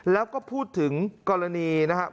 แล้วก็พูดถึงกรณีนะครับ